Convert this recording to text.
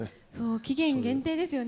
期限限定ですよね